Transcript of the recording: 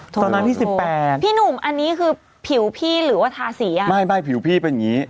ตอนนั้นพี่สิบแปดพี่หนุ่มอันนี้คือผิวพี่หรือว่าทาสีอ่ะไม่ไม่ผิวพี่เป็นอย่างนี้